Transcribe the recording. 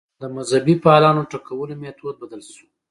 د مذهبي فعالانو ټکولو میتود بدل شو